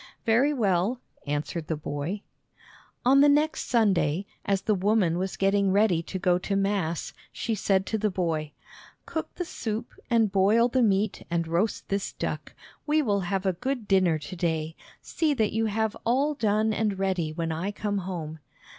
"Very well," answered the boy. On the next Sunday, as the woman was getting ready to go to mass, she said to the boy: "Cook the soup and boil the meat and roast this duck; we will have a good dinner to day. See that you have all done and ready when I come home."